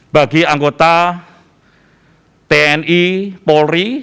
bagi anggota tni polri